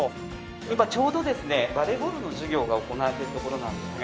今ちょうどですねバレーボールの授業が行われてるところなんですが。